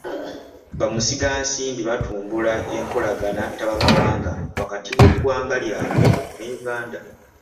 Bamusigansimbi batumbula enkolagana ttabamawanga wakati w'eggwanga ly'abwe ne Uganda.